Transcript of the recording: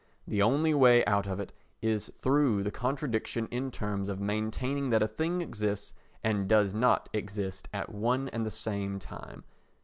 The only way out of it is through the contradiction in terms of maintaining that a thing exists and does not exist at one and the same time.